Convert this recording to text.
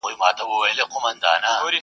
سپینه ورځ یې توره شپه لیده په سترګو؛